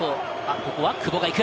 ここは久保が行く。